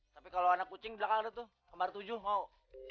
tapi kalau anak kucing di belakang ada tuh kembar tujuh mau